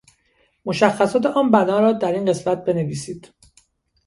مشخصات آن بنا را در این قسمت بنویسید